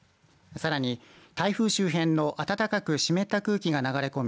さらに台風周辺の暖かく湿った空気が流れ込み